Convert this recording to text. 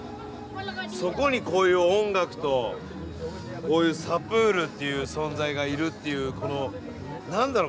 そこにこういう音楽とこういうサプールという存在がいるというこの何だろう？